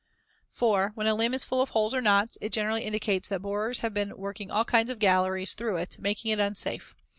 4. When a limb is full of holes or knots, it generally indicates that borers have been working all kinds of galleries through it, making it unsafe.